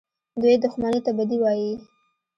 دوى دښمني ته بدي وايي.